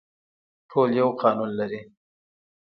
ټول یو قانون لري